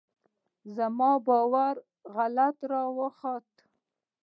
زما باور غلط راوخوت.